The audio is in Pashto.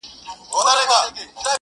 چي« رېبې به هغه څه چي دي کرلې»!!